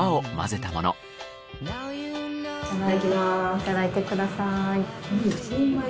いただいてください。